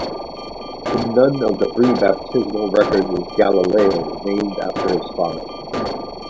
In none of the three baptismal records is Galileo named as the father.